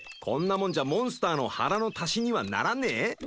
こんなもんじゃモンスターの腹の足しにはならねえ？